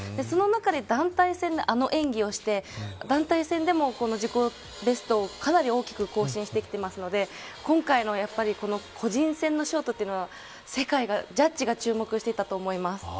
その中で団体戦であの演技をして団体戦でも自己ベストをかなり大きく更新してきていますので今回の個人戦のショートというのは世界が、ジャッジが注目していたと思います。